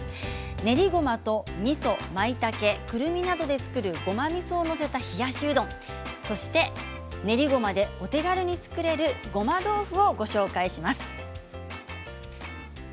練りごまと、みそ、まいたけくるみなどで作るごまみそを載せた冷やしうどん練りごまで、お手軽に作れるごま豆腐をご紹介します。